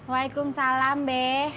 waikum salam be